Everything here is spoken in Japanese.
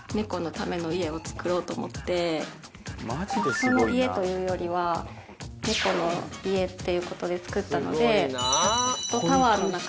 人の家というよりは猫の家っていう事で作ったので。